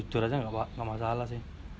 ya jujur aja nggak masalah sih